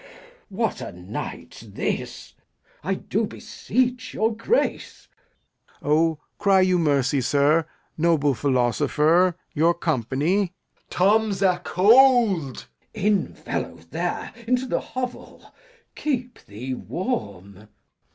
What a night 's this! I do beseech your Grace Lear. O, cry you mercy, sir. Noble philosopher, your company. Edg. Tom's acold. Glou. In, fellow, there, into th' hovel; keep thee warm.